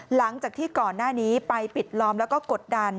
หลังจากที่ก่อนหน้านี้ไปปิดล้อมแล้วก็กดดัน